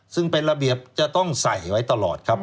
ซึ่งเป็นระเบียบจะต้องใส่ไว้ตลอดครับ